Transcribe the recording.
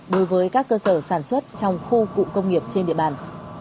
đối với các cơ sở sản xuất trong khu cụm công nghiệp trên địa bàn